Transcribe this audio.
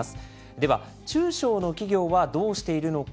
では中小の企業はどうしているのか。